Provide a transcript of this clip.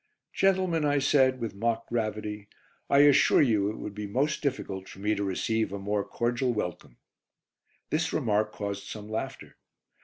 "Gentlemen," I said, with mock gravity, "I assure you it would be most difficult for me to receive a more cordial welcome." This remark caused some laughter.